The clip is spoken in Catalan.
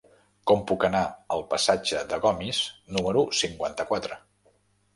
Com puc anar al passatge de Gomis número cinquanta-quatre?